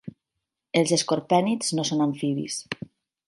Els escorpènids no són amfibis.